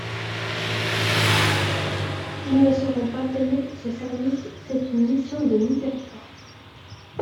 Ils ne seront pas payés pour ce service, c’est une mission de miséricorde.